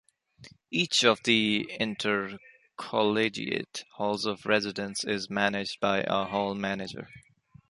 Each of the intercollegiate halls of residence is managed by a Hall Manager.